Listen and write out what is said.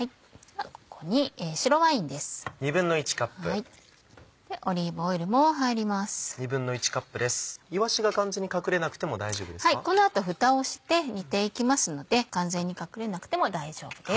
はいこの後ふたをして煮ていきますので完全に隠れなくても大丈夫です。